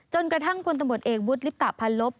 จนกระทั่งพลตมเอกวุฒิ์ลิปตาพันลบ